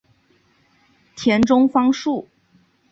田中芳树。